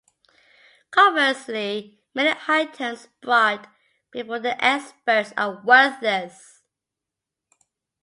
Conversely, many items brought before the experts are worthless.